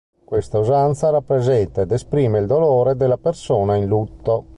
Questa usanza rappresenta ed esprime il dolore della persona in lutto.